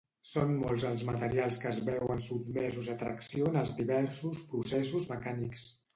Són molts els materials que es veuen sotmesos a tracció en els diversos processos mecànics.